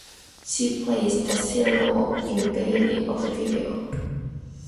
She plays the cello in the beginning of the video.